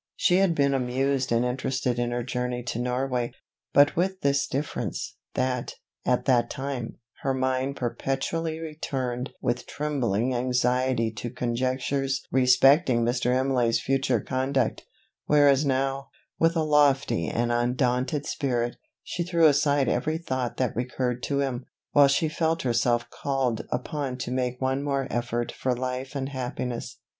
She had been amused and interested in her journey to Norway; but with this difference, that, at that time, her mind perpetually returned with trembling anxiety to conjectures respecting Mr. Imlay's future conduct, whereas now, with a lofty and undaunted spirit, she threw aside every thought that recurred to him, while she felt herself called upon to make one more effort for life and happiness.